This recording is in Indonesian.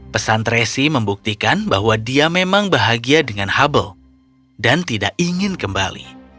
pesan tracy membuktikan bahwa dia memang bahagia dengan hubble dan tidak ingin kembali